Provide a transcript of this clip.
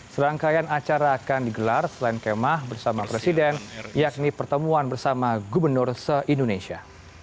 serangkaian acara akan digelar selain kemah bersama presiden yakni pertemuan bersama gubernur se indonesia